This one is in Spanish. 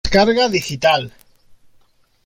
Descarga Digital